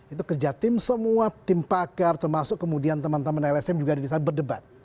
itu kerja tim semua tim pakar termasuk kemudian teman teman lsm juga ada di sana berdebat